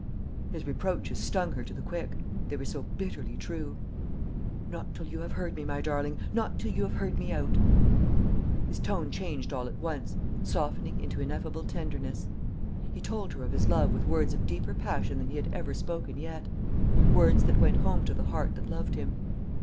His reproaches stung her to the quick; they were so bitterly true. "Not till you have heard me, my darling not till you have heard me out." His tone changed all at once, softening into ineffable tenderness. He told her of his love with words of deeper passion than he had ever spoken yet words that went home to the heart that loved him.